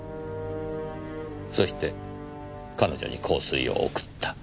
そして彼女に香水を贈った。